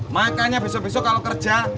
makanya besok besok kalau kerja